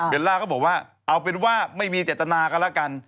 ล่าก็บอกว่าเอาเป็นว่าไม่มีเจตนากันแล้วกัน